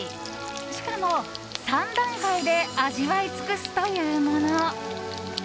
しかも、３段階で味わい尽くすというもの。